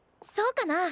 そうかな。